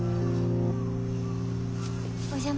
お邪魔。